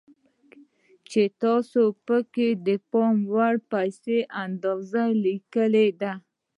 چې تاسې پکې د پام وړ پيسو اندازه ليکلې ده.